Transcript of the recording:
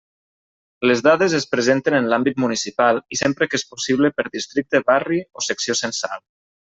Les dades es presenten en l'àmbit municipal i sempre que és possible per districte, barri o secció censal.